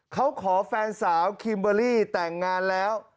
เขาขอแฟนสาวคิมเบอร์รี่แต่งงานแล้ว